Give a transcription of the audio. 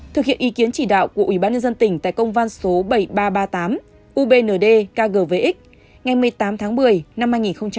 thực hiện ý kiến chỉ đạo của ủy ban nhân dân tỉnh tại công văn số bảy nghìn ba trăm ba mươi tám ubnd kgvx ngày một mươi tám tháng một mươi năm hai nghìn một mươi chín